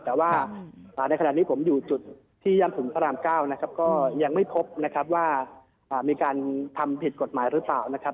แต่ว่าในขณะนี้ผมอยู่จุดที่ย่านถุงพระราม๙นะครับก็ยังไม่พบนะครับว่ามีการทำผิดกฎหมายหรือเปล่านะครับ